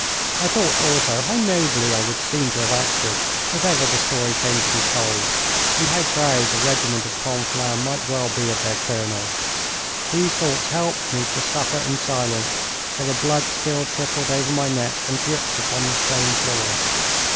I thought also how nobly I would seem to have acted if ever the story came to be told, and how proud the regiment of Conflans might well be of their colonel. These thoughts helped me to suffer in silence while the blood still trickled over my neck and dripped upon the stone floor.